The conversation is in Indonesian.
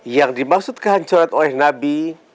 yang dimaksud kehancuran oleh nabi